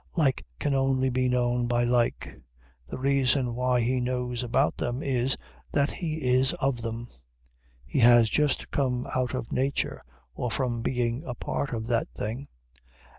Like can only be known by like. The reason why he knows about them is, that he is of them; he has just come out of nature, or from being a part of that thing.